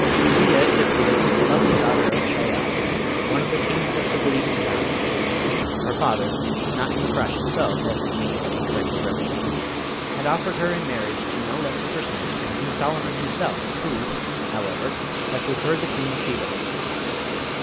Bedeea, it appeared, was the lovely daughter of Shahyal, one of the Kings of the Believing Jann; her father not Fakrash himself, as the Jinnee had incorrectly represented had offered her in marriage to no less a personage than King Solomon himself, who, however, had preferred the Queen of Sheba.